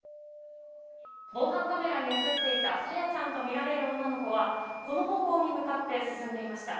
防犯カメラに映っていた朝芽さんとみられる女の子はこの方向に向かって進んでいました。